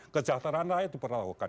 kejahteraan rakyat dipertaruhkan